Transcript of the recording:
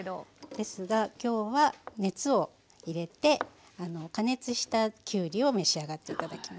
ですが今日は熱を入れて加熱したきゅうりを召し上がって頂きます。